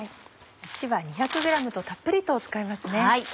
１わ２００ｇとたっぷりと使いますね。